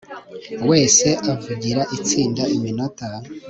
wese uvugira itsinda iminota